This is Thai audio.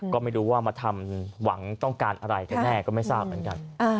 ก็ไม่รู้ว่ามาทำหวังต้องการอะไรกันแน่ก็ไม่ทราบเหมือนกัน